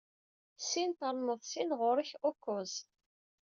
Sin ternuḍ sin, ɣur-k ukkuẓ.